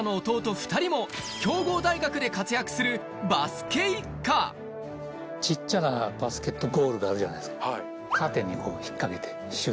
２人も強豪大学で活躍するバスケ一家小っちゃなバスケットゴールがあるじゃないですか。